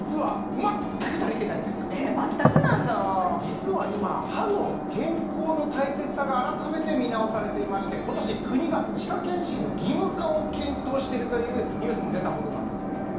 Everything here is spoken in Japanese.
うん実はえー全くなんだ実は今歯の健康の大切さが改めて見直されていまして今年国が歯科検診の義務化を検討しているというニュースも出たほどなんですね